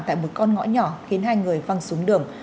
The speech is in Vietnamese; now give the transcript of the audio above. tại một con ngõ nhỏ khiến hai người văng xuống đường